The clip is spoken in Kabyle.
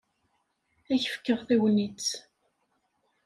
Ad k-fkeɣ tagnit.